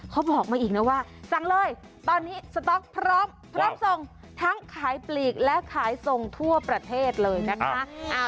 เขาบอกมาอีกนะว่าสั่งเลยตอนนี้สต๊อกพร้อมพร้อมส่งทั้งขายปลีกและขายส่งทั่วประเทศเลยนะคะ